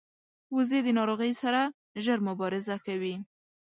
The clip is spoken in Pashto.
وزې د ناروغۍ سره ژر مبارزه کوي